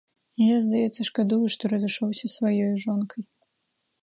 Я, здаецца, шкадую, што разышоўся з сваёю жонкай.